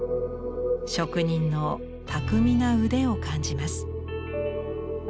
職人の巧みな腕を感じます。